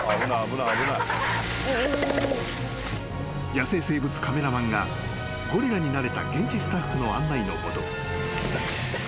［野生生物カメラマンがゴリラに慣れた現地スタッフの案内の下］